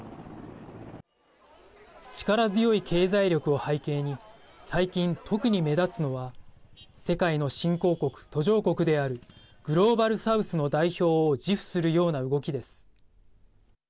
力強い経済力を背景に最近、特に目立つのは世界の新興国・途上国であるグローバル・サウスの代表を自負するような動きです。